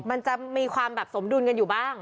มันจะมีความแบบสมดุลกันอยู่บ้าง